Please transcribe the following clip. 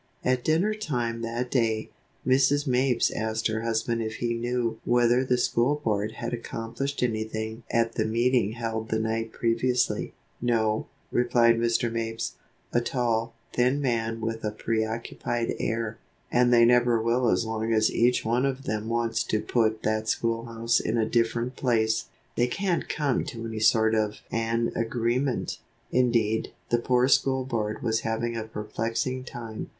At dinner time that day, Mrs. Mapes asked her husband if he knew whether the School Board had accomplished anything at the meeting held the night previously. "No," replied Mr. Mapes, a tall, thin man with a preoccupied air. "And they never will as long as each one of them wants to put that schoolhouse in a different place. They can't come to any sort of an agreement." Indeed, the poor School Board was having a perplexing time.